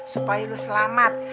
supaya lo selamat